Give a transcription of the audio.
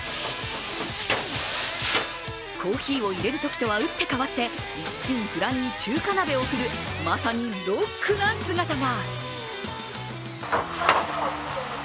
コーヒーをいれるときとは打って変わって、一心不乱に中華鍋を振るまさにロックな姿が。